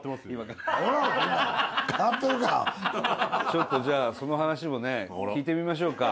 ちょっとじゃあその話もね聞いてみましょうか。